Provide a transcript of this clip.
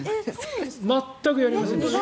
全くやりませんでした。